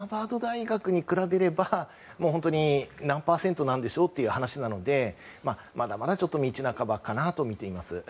もちろんものすごく大きなお金ですがハーバード大学に比べれば何パーセントなんでしょうという話なので、まだまだ道半ばかなとみています。